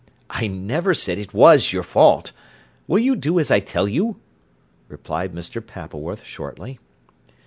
"I never said it was your fault. Will you do as I tell you?" replied Mr. Pappleworth shortly.